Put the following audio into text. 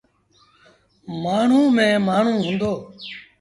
مآڻهوٚݩ ميݩ مآڻهوٚݩ هُݩدو۔